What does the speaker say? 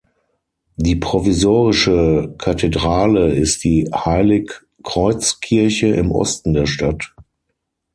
Die provisorische Kathedrale ist die Heilig-Kreuz-Kirche im Osten der Stadt.